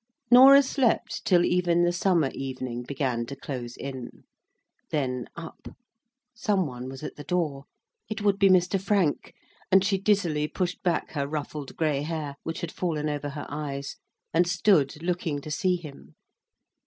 Norah slept till even the summer evening began to close in. Then up. Some one was at the door. It would be Mr. Frank; and she dizzily pushed back her ruffled grey hair, which had fallen over her eyes, and stood looking to see him.